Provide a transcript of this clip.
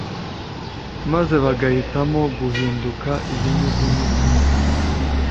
maze bagahitamo guhinduka ibinyugunyugu